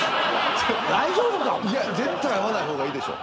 いや絶対会わないほうがいいでしょ。